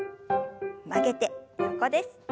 曲げて横です。